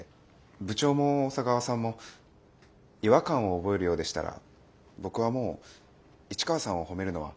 部長も小佐川さんも違和感を覚えるようでしたら僕はもう市川さんを褒めるのは。